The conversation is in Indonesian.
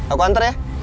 aku antar ya